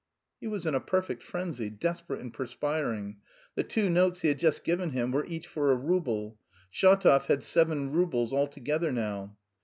He was in a perfect frenzy, desperate and perspiring. The two notes he had just given him were each for a rouble. Shatov had seven roubles altogether now.